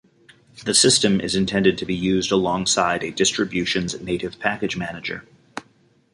The system is intended to be used alongside a distribution's native package manager.